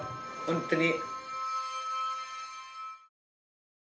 本当に。